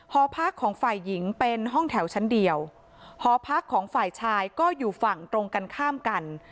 หอพักของฝ่ายหญิงเป็นห้องแถวชั้นเดียวหอพักของฝ่ายชายก็อยู่ฝั่งตรงกันข้ามกัน